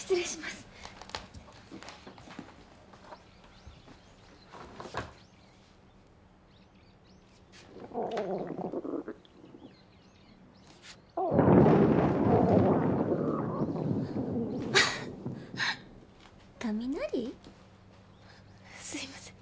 すいません。